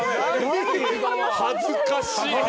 恥ずかしい！